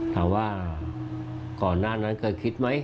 ถามว่าก่อนหน้านั้นเคยคิดไหม